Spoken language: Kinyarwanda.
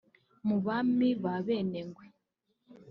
Mu Bami b’Abenengwe